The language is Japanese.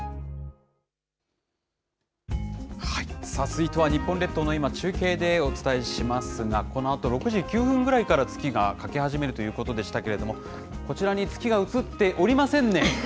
続いては、日本列島の今、中継でお伝えしますが、このあと６時９分ぐらいから、月が欠け始めるということでしたけれども、こちらに月が映っておりませんね。